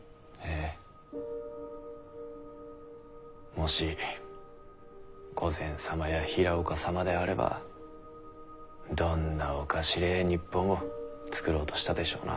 もし御前様や平岡様であればどんなおかしれぇ日本を作ろうとしたでしょうな。